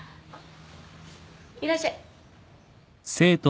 いらっしゃい。